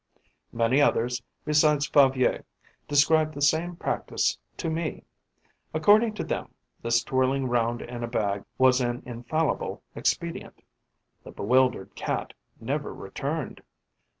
Many others, besides Favier, described the same practice to me. According to them, this twirling round in a bag was an infallible expedient: the bewildered Cat never returned.